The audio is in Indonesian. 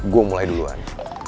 gue mulai duluan